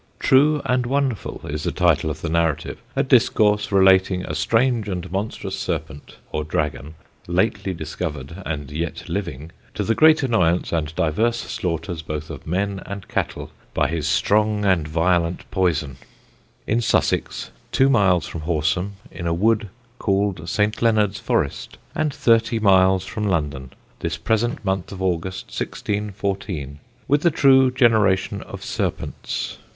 True and Wonderful is the title of the narrative, _A Discourse relating a strange and monstrous Serpent (or Dragon) lately discovered, and yet living, to the great Annoyance and divers Slaughters both of Men and Cattell, by his strong and violent Poyson: In Sussex, two Miles from Horsam, in a Woode called St. Leonard's Forrest, and thirtie Miles from London, this present Month of August, 1614. With the true Generation of Serpents.